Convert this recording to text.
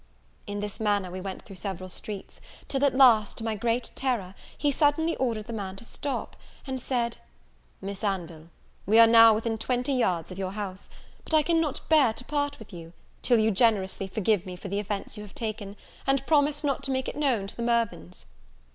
In this manner we went through several streets, till at last, to my great terror, he suddenly ordered the man to stop, and said, "Miss Anville, we are now within twenty yards of your house; but I cannot bear to part with you, till you generously forgive me for the offence you have taken, and promise not to make it known to the Mirvan's."